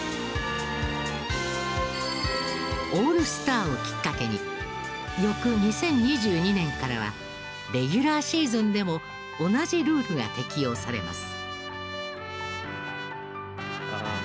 オールスターをきっかけに翌２０２２年からはレギュラーシーズンでも同じルールが適用されます。